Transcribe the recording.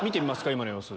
今の様子。